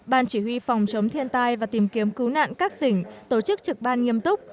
ban chỉ huy phòng chống thiên tai và tìm kiếm cứu nạn các tỉnh tổ chức trực ban nghiêm túc